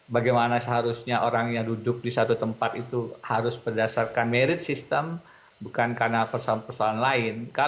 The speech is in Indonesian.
bagaimana seharusnya orang yang duduk di satu tempat itu harus berdasarkan merit system bukan karena persoalan persoalan lain